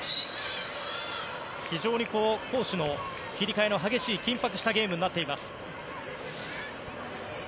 非常に攻守の切り替えが激しい緊迫したゲームになっています。